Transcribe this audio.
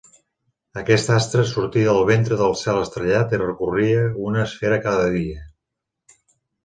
Aquest astre sortia del ventre del cel estrellat i recorria una esfera cada dia.